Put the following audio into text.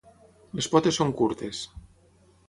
Les potes són curtes.